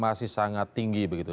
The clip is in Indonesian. masih sangat tinggi begitu